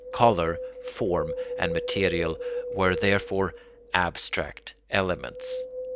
Colour, form, and material were therefore abstract elements.